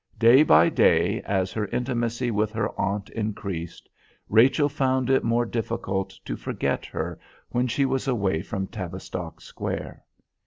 Day by day, as her intimacy with her aunt increased, Rachel found it more difficult to forget her when she was away from Tavistock Square.